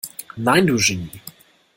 Nein, du Genie!